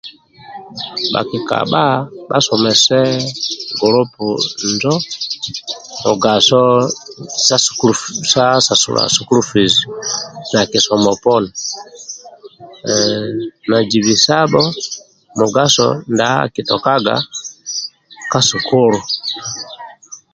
Bhakikabha basomose gulupu injo mugaso sa sasula sukulu fizi nakisomo poni najibisabho mugaso ndia kitokaga ka sukulu